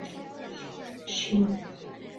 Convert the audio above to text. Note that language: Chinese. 属晋陵郡。